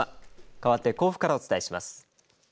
かわって甲府からお伝えします。